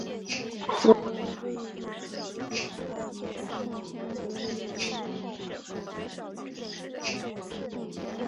足利义持是第三代将军足利义满的庶子。